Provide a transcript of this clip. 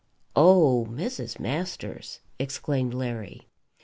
"Oh, Mrs. Masters!" exclaimed Larry.